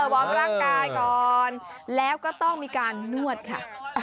วอร์มร่างกายก่อนแล้วก็ต้องมีการนวดค่ะ